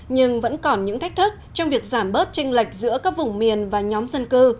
nhưng vẫn còn những thách thức trong việc giảm bớt tranh lệch giữa các vùng miền và nhóm dân cư